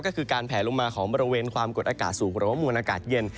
ก็คือการแผลลงมาของบริเวณความกดอากาศสูงหรือว่ามวลอากาศเย็น